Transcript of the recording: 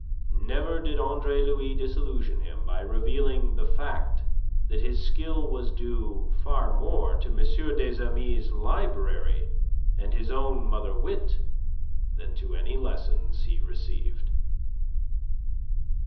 Never did Andre Louis disillusion him by revealing the fact that his skill was due far more to M. des Amis' library and his own mother wit than to any lessons received.